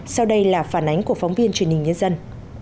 sau đây là phản ánh của phóng viên truyền hình nhân dân